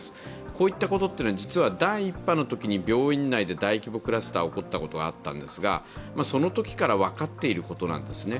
こういったことっていうのは第１波のときに病院内で大規模クラスターが起こったことがあったんですがそのときから分かっていることなんですね。